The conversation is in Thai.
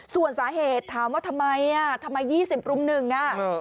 ส่วนสาเหตุถามว่าทำไม๒๐ปรุงหนึ่ง